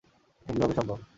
এটা কিভাবে সম্ভব!